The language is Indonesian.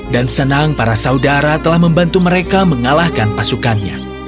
dan senang para saudara telah membantu mereka mengalahkan pasukannya